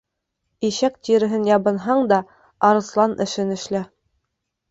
Ишәк тиреһе ябынһаң да, арыҫлан эшен эшлә.